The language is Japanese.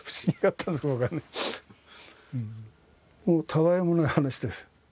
たわいもない話ですよ。